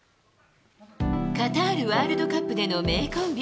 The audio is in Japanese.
カタールワールドカップでの名コンビ。